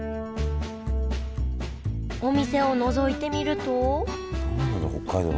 お店をのぞいてみるとどうなの？